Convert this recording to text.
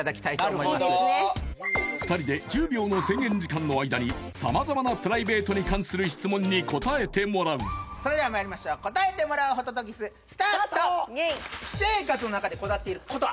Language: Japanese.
２人で１０秒の制限時間の間に様々なプライベートに関する質問に答えてもらうそれではまいりましょう私生活の中でこだわっていることは？